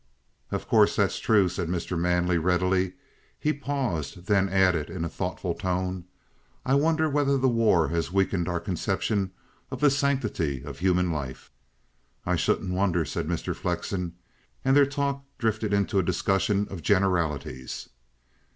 "Of course, that's true," said Mr. Manley readily. He paused, then added in a thoughtful tone: "I wonder whether the war has weakened our conception of the sanctity of human life?" "I shouldn't wonder," said Mr. Flexen; and their talk drifted into a discussion of generalities.